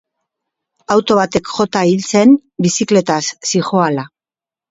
Auto batek jota hil zen bizikletaz zihoala.